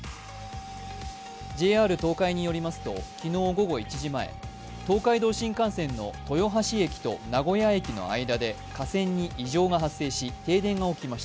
ＪＲ東海によりますと昨日午後１時前東海道新幹線の豊橋駅と名古屋駅の間で架線に異常が発生し